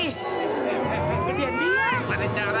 eh eh eh eh gedean dia